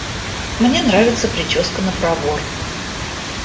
Мне нравится причёска на пробор.